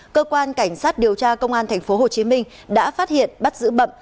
cơ quan cảnh sát điều tra công an tp hcm đã phát hiện bắt giữ bậm